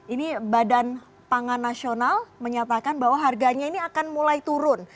ini badan pangan nasional menyatakan bahwa harganya ini akan mulai turun